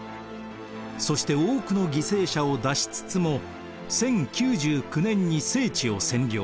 そして多くの犠牲者を出しつつも１０９９年に聖地を占領。